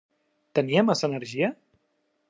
Tenia massa energia?